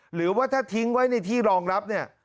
หรือว่าถ้าทิ้งไว้ในที่รองรับเนี่ย